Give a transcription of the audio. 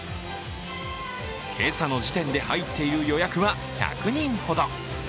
今朝の時点で入っている予約は１００人ほど。